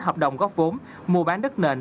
hợp đồng góp vốn mua bán đất nền